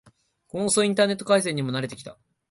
この遅いインターネット回線にも慣れてきた